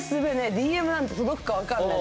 ＤＭなんて届くかわかんない